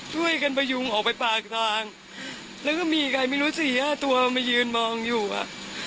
ช่วยกันพยุงออกไปปากทางแล้วก็มีใครไม่รู้สี่ห้าตัวมายืนมองอยู่อ่ะ